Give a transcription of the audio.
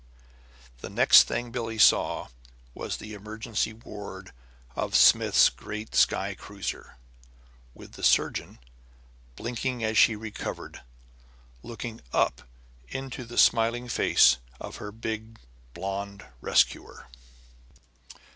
And the next thing Billie saw was the emergency ward of Smith's great skycruiser, with the surgeon, blinking as she recovered, looking up into the smiling face of her big blond rescuer.